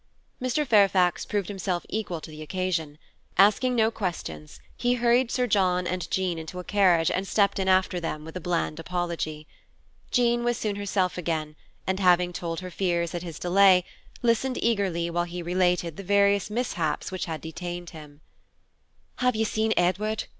Mr. Fairfax proved himself equal to the occasion. Asking no questions, he hurried Sir John and Jean into a carriage and stepped in after them with a bland apology. Jean was soon herself again, and, having told her fears at his delay, listened eagerly while he related the various mishaps which had detained him. "Have you seen Edward?"